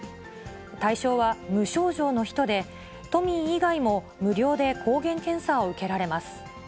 対象は無症状の人で、都民以外も無料で抗原検査を受けられます。